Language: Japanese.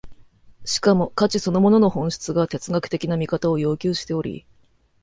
しかも価値そのものの本質が哲学的な見方を要求しており、